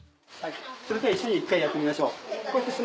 それでは一緒に一回やってみましょう。